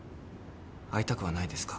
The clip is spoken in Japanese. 会いたくはないですか？